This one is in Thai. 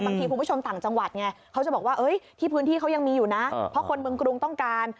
คุณผู้ชมต่างจังหวัดไงเขาจะบอกว่าที่พื้นที่เขายังมีอยู่นะเพราะคนเมืองกรุงต้องการ